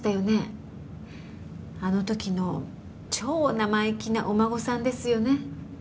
あの時の超生意気なお孫さんですよね？